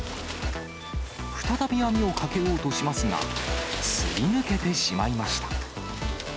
再び網をかけようとしますが、すり抜けてしまいました。